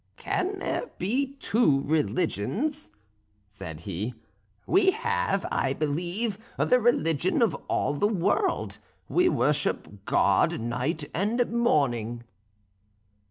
"Can there be two religions?" said he. "We have, I believe, the religion of all the world: we worship God night and morning."